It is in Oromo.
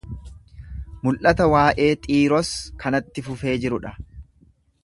Mul’ata waa’ee Xiiros kanatti fufee jiru dha.